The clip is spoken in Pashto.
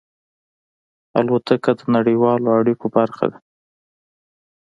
الوتکه د نړیوالو اړیکو برخه ده.